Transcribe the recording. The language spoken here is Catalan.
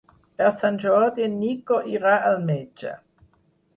Per Sant Jordi en Nico irà al metge.